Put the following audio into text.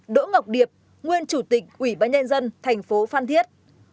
ba đỗ ngọc điệp nguyên chủ tịch ủy bãi đen dân thành phố phan thiết